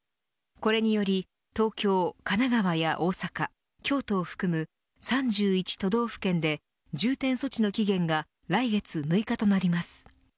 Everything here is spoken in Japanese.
これにより東京、神奈川や大阪、京都を含む３１都道府県で重点措置の期限が来月６日となります。